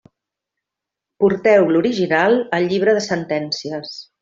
Porteu l'original al llibre de sentències.